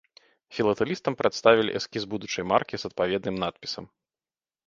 Філатэлістам прадставілі эскіз будучай маркі з адпаведным надпісам.